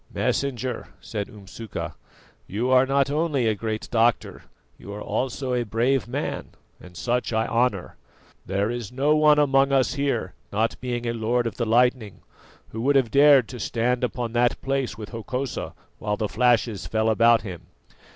"Messenger," said Umsuka, "you are not only a great doctor, you are also a brave man, and such I honour. There is no one among us here, not being a lord of the lightning, who would have dared to stand upon that place with Hokosa while the flashes fell about him.